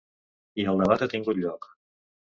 I el debat ha tingut lloc.